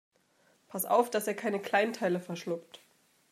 Pass auf, dass er keine Kleinteile verschluckt.